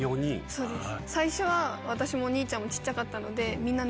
そうですね。